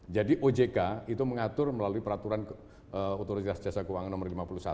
jadi ojk itu mengatur melalui peraturan otoritas jasa keuangan nomor lima puluh satu